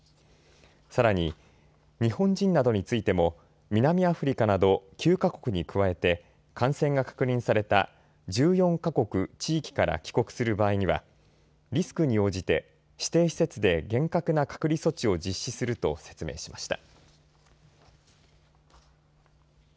さらに日本人などについても南アフリカなど９か国に加えて感染が確認された１４か国地域から帰国する場合にはリスクに応じて指定施設で厳格な隔離措置を実施すると説明しました。